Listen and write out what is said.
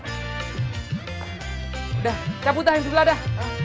udah cabut dah yang sebelah dah